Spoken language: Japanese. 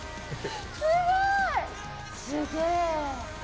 すごい。すげー！